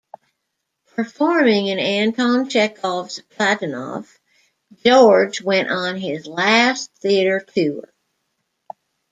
Performing in Anton Chekhov's "Platonov", George went on his last theater tour.